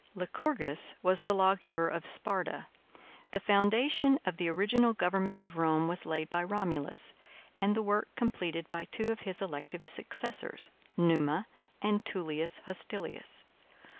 Lycurgus was the lawgiver of Sparta. The foundation of the original government of Rome was laid by Romulus, and the work completed by two of his elective successors, Numa and Tullius Hostilius.